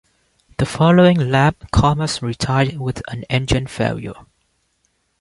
The following lap, Comas retired with an engine failure.